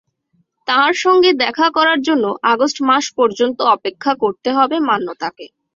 তাঁর সঙ্গে দেখা করার জন্য আগস্ট মাস পর্যন্ত অপেক্ষা করতে হবে মান্যতাকে।